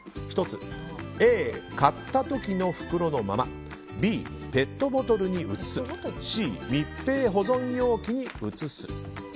Ａ、買った時の袋のままＢ、ペットボトルに移すＣ、密閉保存容器に移す。